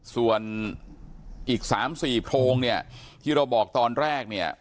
ส่วนอีก๓๔โพรงเนี่ยที่เราบอกตอนแรกเนี่ย